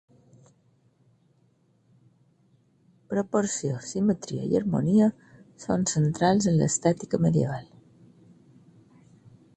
Proporció, simetria i harmonia són centrals en l'estètica medieval.